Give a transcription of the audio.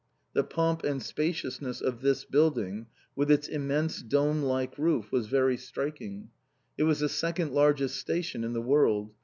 The pomp and spaciousness of this building, with its immense dome like roof, was very striking. It was the second largest station in the world.